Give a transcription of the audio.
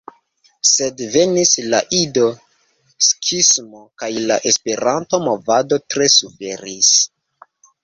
Sed venis la Ido-skismo, kaj la Esperanto-movado tre suferis.